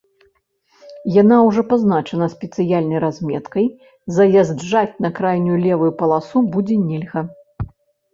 Яна ўжо пазначана спецыяльнай разметкай, заязджаць на крайнюю левую паласу будзе нельга.